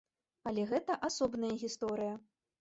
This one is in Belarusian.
Але гэта асобная гісторыя.